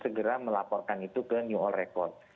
segera melaporkan itu ke new all record